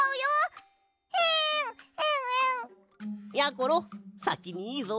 ころさきにいいぞ。